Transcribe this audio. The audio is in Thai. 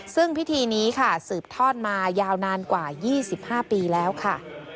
ซึ่งพิธีนี้ค่ะสืบทอดมายาวนานกว่า๒๕ปีแล้วค่ะ